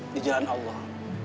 di jalan allah